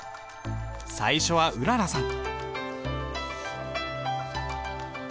最初はうららさん。